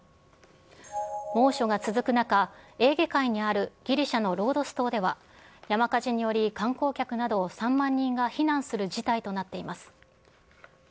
猛暑が続く中、エーゲ海にあるギリシャのロードス島では山火事により、観光客など３万人が避難する事態となっています。